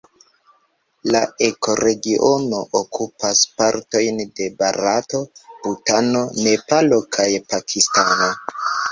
La ekoregiono okupas partojn de Barato, Butano, Nepalo kaj Pakistano.